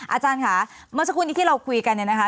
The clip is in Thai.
อาจารย์ค่ะเมื่อสักครู่นี้ที่เราคุยกันเนี่ยนะคะ